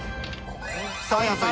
サーヤさん